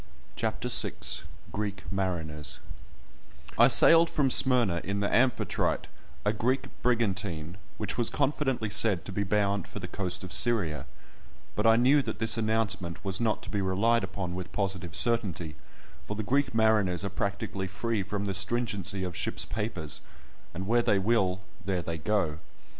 CHAPTER VI—GREEK MARINERS I sailed from Smyrna in the Amphitrite, a Greek brigantine, which was confidently said to be bound for the coast of Syria; but I knew that this announcement was not to be relied upon with positive certainty, for the Greek mariners are practically free from the stringency of ship's papers, and where they will, there they go.